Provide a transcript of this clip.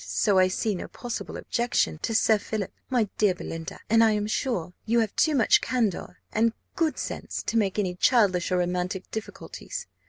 So I see no possible objection to Sir Philip, my dear Belinda! and I am sure you have too much candour and good sense to make any childish or romantic difficulties.